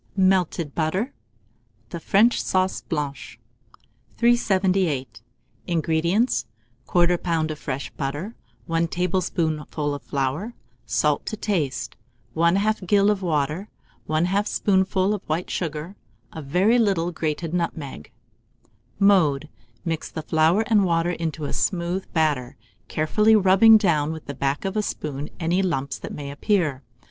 MELTED BUTTER (the French Sauce Blanche). 378. INGREDIENTS. 1/4 lb. of fresh butter, 1 tablespoonful of flour, salt to taste, 1/2 gill of water, 1/2 spoonful of white vinegar, a very little grated nutmeg. Mode. Mix the flour and water to a smooth batter, carefully rubbing down with the back of a spoon any lumps that may appear.